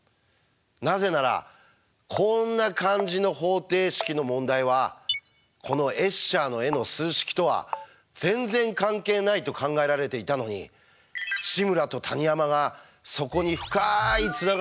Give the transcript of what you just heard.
なぜならこんな感じの方程式の問題はこのエッシャーの絵の数式とは全然関係ないと考えられていたのに志村と谷山がそこに深いつながりを発見したんですから！